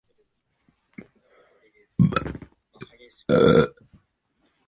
今日の科学といえども、かかる立場から発展し、またどこまでもかかる立場を離れないものでなければならない。